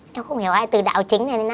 cháu không hiểu ai từ đạo chính này đến đâu